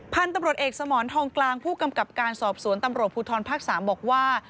พันธุ์ตำรวจเอกสมรทองกลางผู้กำกับการสอบสวนตำรวจภูทรภาค๓บอกว่า